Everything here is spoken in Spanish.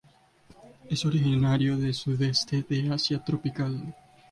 Es originario de Sudeste de Asia tropical.